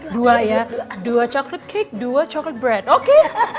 dua ya dua coklat cake dua coklat brand oke